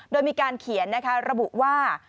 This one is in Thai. โดยมีการเขียนนะคะระบุว่า